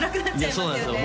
いやそうなんですよ